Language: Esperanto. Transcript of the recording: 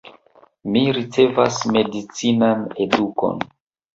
Mi ricevas medicinan edukon.